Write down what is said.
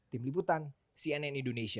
tim liputan cnn indonesia